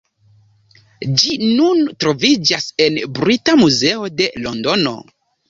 Ĝi nun troviĝas en la Brita Muzeo de Londono.